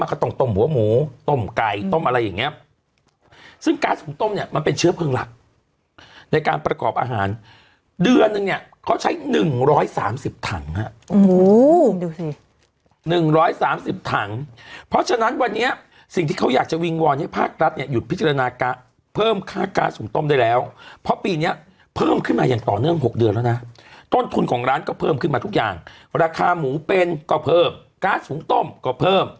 มาก็ต้องต้มหัวหมูต้มไก่ต้มอะไรอย่างเงี้ยซึ่งก๊าซหุ่งต้มเนี่ยมันเป็นเชื้อเพิ่มหลักในการประกอบอาหารเดือนหนึ่งเนี่ยเขาใช้หนึ่งร้อยสามสิบถังอ่ะอูหูดูสิหนึ่งร้อยสามสิบถังเพราะฉะนั้นวันนี้สิ่งที่เขาอยากจะวิงวอนให้ภาครัฐเนี่ยหยุดพิจารณากะเพิ่มค่าก๊าซหุ่งต้มได้แล้วเพราะปีเน